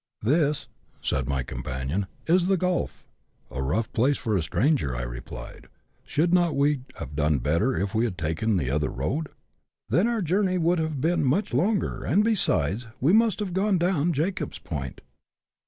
" This," said my companion, " is the Gulf." " A rough place for a stranger," I replied. " Should not we have done better if we had taken the other road ?"" Then our journey would have been much longer, and, besides, we must have gone down ' Jacob's Point.'